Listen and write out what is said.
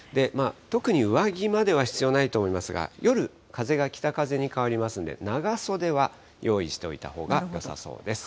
特に上着までは必要ないと思いますが、夜、風が北風に変わりますんで、長袖は用意したほうがよさそうです。